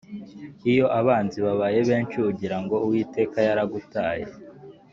iyo abanzi babaye benshi ugira ngo uwiteka yaragutaye